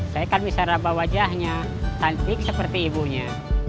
saya kan bisa rabah wajahnya cantik seperti ibunya